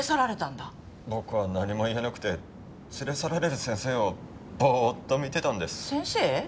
僕は何も言えなくて連れ去られる先生をボーッと見てたんです。